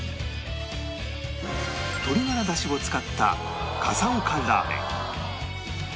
鶏がら出汁を使った笠岡ラーメン